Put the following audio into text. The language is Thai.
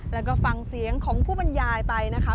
แล้วก็ฟังเสียงของผู้บรรยายไปนะคะ